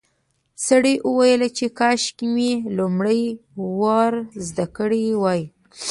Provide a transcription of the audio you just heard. سړي وویل چې کاشکې مې لومړی ور زده کړي وای.